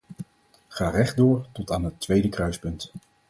Ga rechtdoor tot aan het tweede kruispunt.